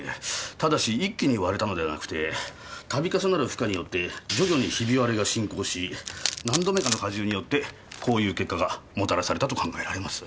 ただし一気に割れたのではなくて度重なる負荷によって徐々にひび割れが進行し何度目かの荷重によってこういう結果がもたらされたと考えられます。